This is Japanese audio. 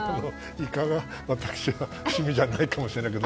イカが私は趣味じゃないかもしれないけど。